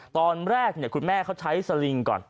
ตอนแรกคุณแม่เขาใช้สลิงก่อน